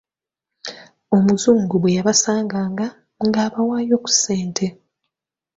Omuzungu bwe yabasanganga, ng'abawaayo ku ssente.